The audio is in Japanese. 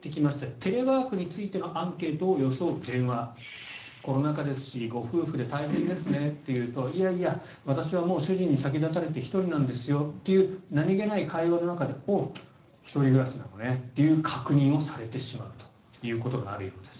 テレワークについてのアンケートを装う電話コロナ禍ですしご夫婦で大変ですねっていうといやいや、私はもう主人に先立たれて１人なんですよという何げない会話の中でおっ、１人暮らしなのねという確認をされてしまうということがあるようです。